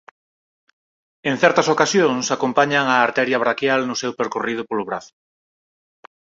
En certas ocasións acompañan á arteria braquial no seu percorrido polo brazo.